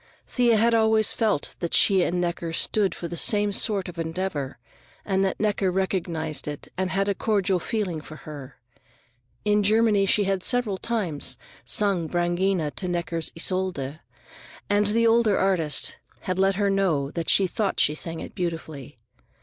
Thea had always felt that she and Necker stood for the same sort of endeavor, and that Necker recognized it and had a cordial feeling for her. In Germany she had several times sung Brangaena to Necker's Isolde, and the older artist had let her know that she thought she sang it beautifully.